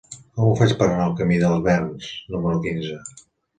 Com ho faig per anar al camí dels Verns número quinze?